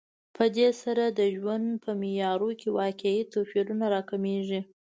په دې سره د ژوند په معیارونو کې واقعي توپیرونه راکمېږي